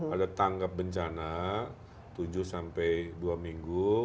ada tanggap bencana tujuh sampai dua minggu